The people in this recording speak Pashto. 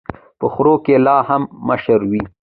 په خرو کي لا هم مشر وي.